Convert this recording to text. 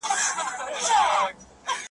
هم یې توري هم توپونه پرېښودله ,